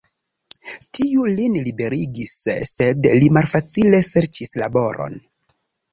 Tiu lin liberigis, sed li malfacile serĉis laboron.